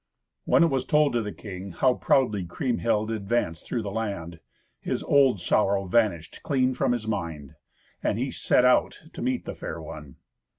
When it was told to the king how proudly Kriemhild advanced through the land, his old sorrow vanished clean from his mind, and he set out to meet the fair one.